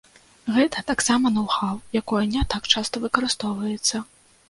Гэта таксама ноў-хаў, якое не так часта выкарыстоўваецца.